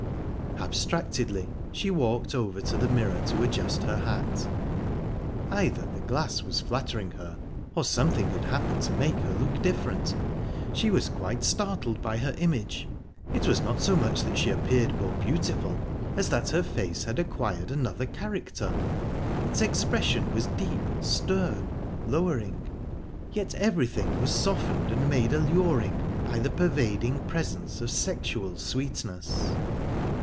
Abstractedly she walked over to the mirror to adjust her hat... Either the glass was flattering her, or something had happened to make her look different; she was quite startled by her image. It was not so much that she appeared more beautiful as that her face had acquired another character. Its expression was deep, stern, lowering, yet everything was softened and made alluring by the pervading presence of sexual sweetness.